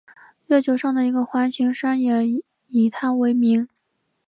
月球上的一个环形山也以他为名。